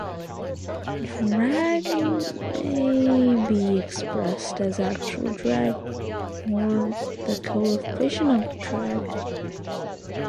Drag may be expressed as actual drag or the coefficient of drag.